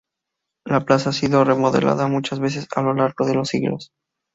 La plaza ha sido remodelada muchas veces a lo largo de los siglos.